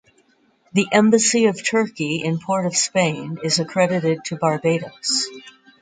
The Embassy of Turkey in Port of Spain is accredited to Barbados.